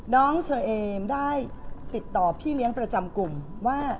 น้องเชอเอมได้ติดต่อพี่เลี้ยงประจำกลุ่มว่า